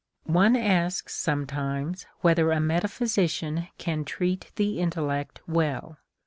One asks sometimes whether a metaphysician can treat the intellect well.